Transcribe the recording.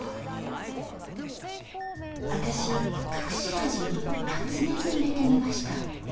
私隠し味にナツメグ入れてみました。